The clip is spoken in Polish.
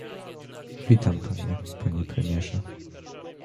Witam panie, panie premierze!